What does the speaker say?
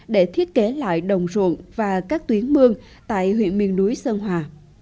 để thiết kế lại đồng ruộng và các tuyến mương tại huyện miền núi sơn hòa